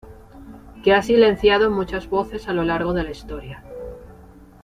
que ha silenciado muchas voces a lo largo de la historia